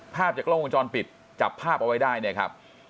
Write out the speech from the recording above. ภาพจากกล้องวงจรปิดจับภาพเอาไว้ได้เนี่ยครับ